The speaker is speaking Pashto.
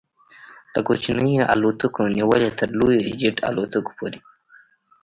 له کوچنیو الوتکو نیولې تر لویو جيټ الوتکو پورې